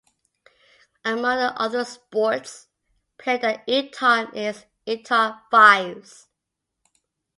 Among the other sports played at Eton is Eton Fives.